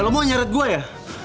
lo mau nyaret gue ya